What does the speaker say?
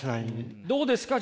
どうですか？